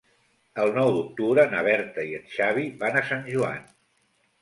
El nou d'octubre na Berta i en Xavi van a Sant Joan.